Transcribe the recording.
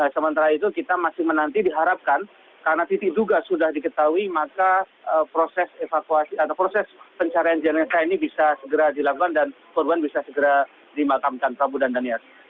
sementara itu kita masih menanti diharapkan karena titik duga sudah diketahui maka proses evakuasi atau proses pencarian jenazah ini bisa segera dilakukan dan korban bisa segera dimakamkan prabu dan daniar